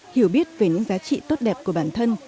hiểu biết về những giá trị tốt đẹp của bản thân